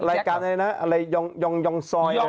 รายการอะไรนะอะไรยองซอย